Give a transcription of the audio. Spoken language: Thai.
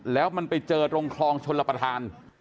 แล้วมันไปเจอตรงคลองชลประธาน